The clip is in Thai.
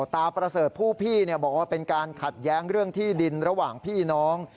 ประเสริฐผู้พี่บอกว่าเป็นการขัดแย้งเรื่องที่ดินระหว่างพี่น้อง